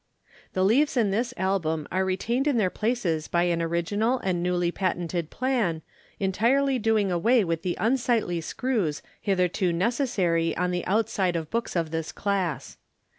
The leaves in this Album are retained in their places by an original and newly patented plan, entirely doing away with the unsightly screws hitherto necessary on the outside of books of this class.